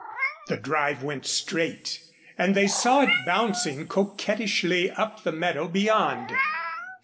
The drive went straight and they saw it bouncing coquettishly up the meadow beyond.